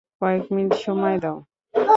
কয়েক মিনিট সময় দাও।